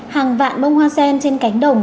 hàng vạn bông hoa sen trên cánh đồng